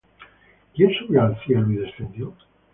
¿Quién subió al cielo, y descendió?